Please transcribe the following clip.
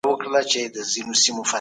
ستاسو په ذهن کي به تل رڼا وي.